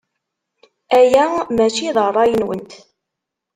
Aya maci d ṛṛay-nwent.